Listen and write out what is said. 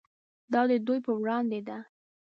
دا د دوی په وړاندې ده.